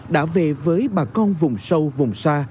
đã về với bà con vùng sâu vùng xa